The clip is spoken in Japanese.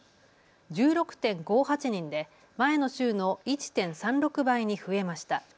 １６．５８人で前の週の１．３６倍に増えました。